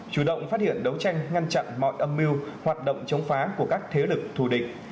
chủ động phát hiện đấu tranh ngăn chặn mọi âm mưu hoạt động chống phá của các thế lực thù địch